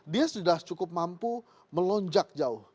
dia sudah cukup mampu melonjak jauh